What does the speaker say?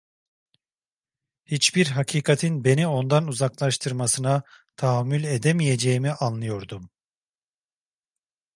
Hiçbir hakikatin beni ondan uzaklaştırmasına tahammül edemiyeceğimi anlıyordum.